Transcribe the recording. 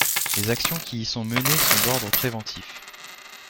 Les actions qui y sont menées sont d'ordre préventif.